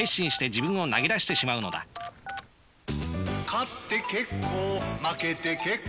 「勝って結構負けて結構」